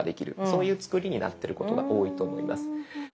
そういう作りになってることが多いと思います。